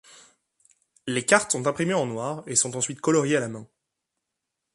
Les cartes sont imprimées en noir et sont ensuite coloriées à la main.